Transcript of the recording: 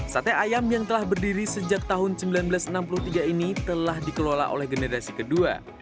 sate ayam yang telah berdiri sejak tahun seribu sembilan ratus enam puluh tiga ini telah dikelola oleh generasi kedua